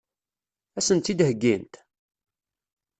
Ad sen-tt-id-heggint?